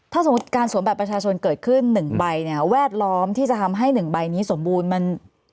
ถ้าสมมุติการสวมแบบประชาชนเกิดขึ้นหนึ่งใบเนี่ยแวดล้อมที่จะทำให้หนึ่งใบนี้สมบูรณ์